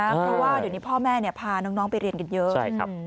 เพราะว่าเดี๋ยวนี้พ่อแม่พาน้องไปเรียนกันเยอะ